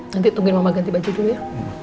nanti tungguin mama ganti baju dulu ya